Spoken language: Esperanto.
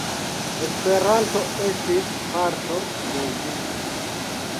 Esperanto estis parto de ĝi.